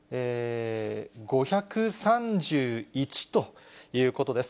５３１ということです。